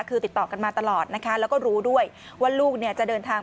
คือติดต่อกันมาตลอดนะคะแล้วก็รู้ด้วยว่าลูกเนี่ยจะเดินทาง